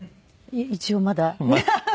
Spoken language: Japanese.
一応まだ。